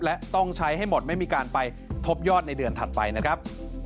และต้องใช้ให้หมดไม่มีการไปทบยอดในเดือนถัดไปนะครับ